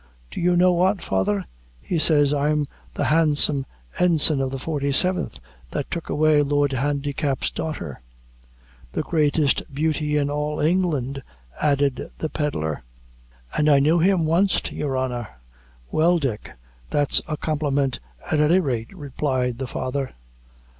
Do you know what, father? He says I'm the handsome ensign of the forty seventh, that took away Lord Handicap's daughter." "The greatest beauty in all England," added the pedlar; "an' I knew him at wanst, your honor." "Well, Dick, that's a compliment, at any rate," replied the father.